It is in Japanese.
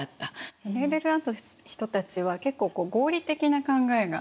ネーデルラントの人たちは結構合理的な考えが宗教に関しても。